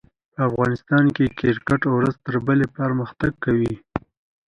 په افغانستان کښي کرکټ ورځ تر بلي پرمختګ کوي.